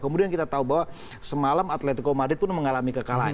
kemudian kita tahu bahwa semalam atletico madrid pun mengalami kekalahan